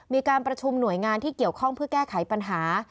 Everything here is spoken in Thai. มีการประชุมหน่วยงานที่เกี่ยวข้องเพื่อแก้ไขปัญหา